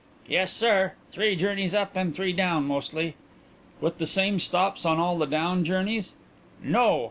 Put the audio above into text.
"Yes, sir. Three journeys up and three down mostly." "With the same stops on all the down journeys?" "No.